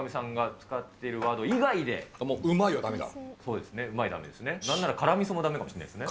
そうです、うまい、だめですね。